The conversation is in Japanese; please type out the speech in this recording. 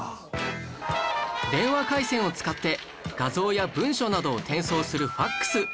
電話回線を使って画像や文書などを転送するファクス